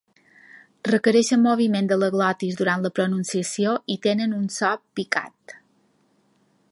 Requereixen moviment de la glotis durant la pronunciació i tenen un so picat.